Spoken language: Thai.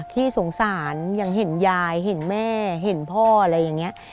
ที่สงสารยังเห็นยายเห็นแม่เห็นพ่ออะไรอย่างนี้